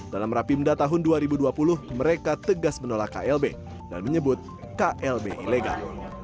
dalam rapimda tahun dua ribu dua puluh mereka tegas menolak klb dan menyebut klb ilegal